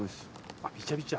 あっびちゃびちゃ？